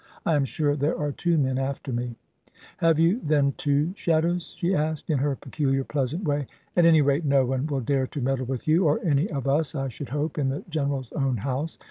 I am sure there are two men after me " "Have you then two shadows?" she asked, in her peculiar pleasant way: "at any rate no one will dare to meddle with you, or any of us, I should hope, in the General's own house.